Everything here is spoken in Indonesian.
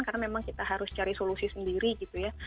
karena memang kita harus cari solusi sendiri gitu ya